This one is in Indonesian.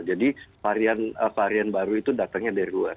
jadi varian baru itu datangnya dari luar